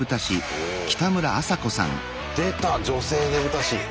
出た女性ねぶた師。